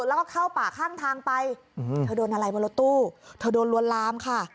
แล้วก็เข้าป่าข้างทางไปเธอโดนอะไรบนรถตู้เธอโดนลวนลามค่ะ